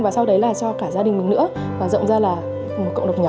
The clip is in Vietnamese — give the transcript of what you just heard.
và sau đấy là cho cả gia đình mình nữa và rộng ra là một cộng đồng nhỏ